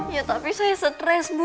ya tapi saya stres bu